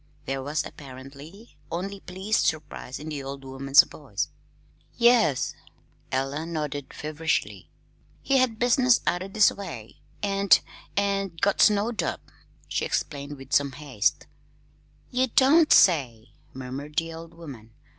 There was apparently only pleased surprise in the old woman's voice. "Yes," nodded Ella feverishly, "he had business out this way, and and got snowed up," she explained with some haste. "Ye don't say," murmured the old woman.